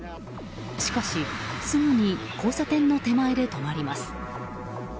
しかしすぐに交差点の手前で止まります。